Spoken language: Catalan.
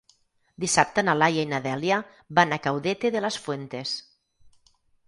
Dissabte na Laia i na Dèlia van a Caudete de las Fuentes.